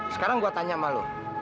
sekarang gue tanya sama lo